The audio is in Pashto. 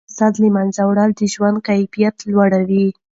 د حسد له منځه وړل د ژوند کیفیت لوړوي.